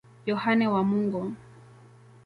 Yohane wa Mungu.